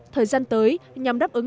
thời gian tới nhằm đáp ứng